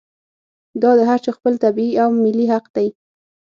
دا د هر چا خپل طبعي او ملي حق دی.